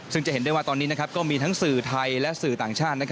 ซึ่งจะเห็นได้ว่าตอนนี้ก็มีทั้งสื่อไทยและสื่อต่างชาติ